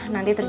lagi ke betul